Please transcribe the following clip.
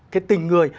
cái tình người